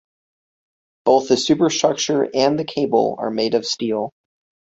Both the superstructure and the cable are made of steel.